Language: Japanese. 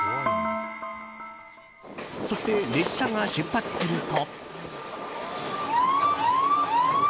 そして、列車が出発すると。